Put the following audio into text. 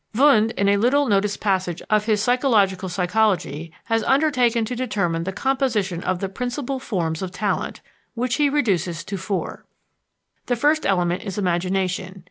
Wundt, in a little noticed passage of his Physiological Psychology, has undertaken to determine the composition of the "principal forms of talent," which he reduces to four: The first element is imagination.